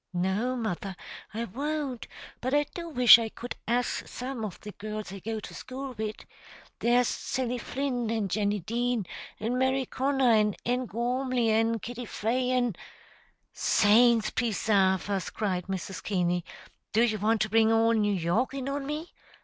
"No, mother, I won't; but I do wish I could ax some of the girls I go to school wid. There's Sally Flynn, and Jenny Dean, an' Mary Connor, and Ann Gormly, an' Kitty Fay, an' " "Saints presarve us!" cried Mrs. Keaney. "Do you want to bring all New York in on me?